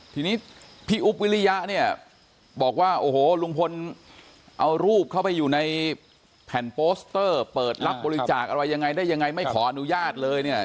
ทีนี้พี่อุ๊บวิริยะเนี่ยบอกว่าโอ้โหลุงพลเอารูปเข้าไปอยู่ในแผ่นโปสเตอร์เปิดรับบริจาคอะไรยังไงได้ยังไงไม่ขออนุญาตเลยเนี่ย